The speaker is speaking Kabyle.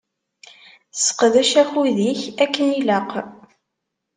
Seqdec akud-ik akken ilaq.